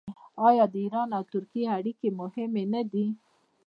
آیا د ایران او ترکیې اړیکې مهمې نه دي؟